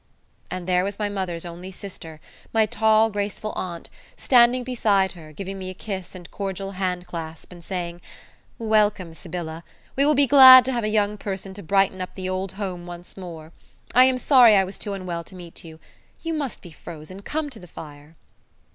And there was my mother's only sister, my tall graceful aunt, standing beside her, giving me a kiss and cordial hand clasp, and saying, "Welcome, Sybylla. We will be glad to have a young person to brighten up the old home once more. I am sorry I was too unwell to meet you. You must be frozen; come to the fire."